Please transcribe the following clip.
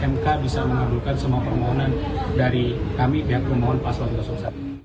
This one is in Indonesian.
mk bisa mengabulkan semua permohonan dari kami pihak permohon paslawan dua ribu dua puluh satu